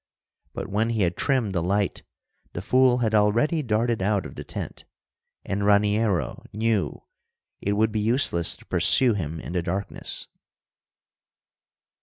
But when he had trimmed the light the fool had already darted out of the tent, and Raniero knew it would be useless to pursue him in the darkness.